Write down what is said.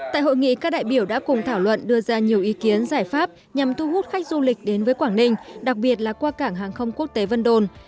tại hội nghị các đại biểu đã cùng thảo luận đưa ra nhiều ý kiến giải pháp nhằm thu hút khách du lịch đến với quảng ninh đặc biệt là qua cảng hàng không quốc tế vân đồn